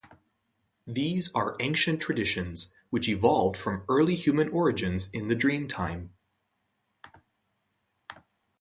These are ancient traditions which evolved from early human origins in the Dreamtime.